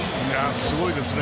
すごいですね。